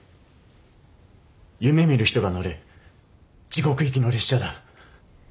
夢見る人が乗る地獄行きの列車だ。